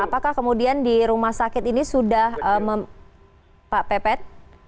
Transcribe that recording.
apakah kemudian di rumah sakit ini sudah pak pepet